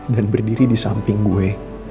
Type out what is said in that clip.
dan berdiri di samping gue